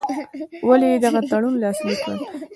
ولي یې دغه تړون لاسلیک کړ.